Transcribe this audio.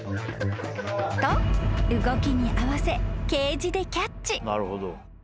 ［と動きに合わせケージでキャッチ］